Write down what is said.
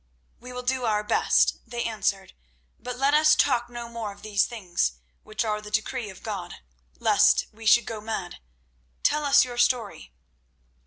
"We will do our best," they answered; "but let us talk no more of these things which are the decree of God—lest we should go mad. Tell us your story."